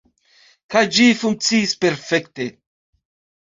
Kaj ĝi funkciis perfekte.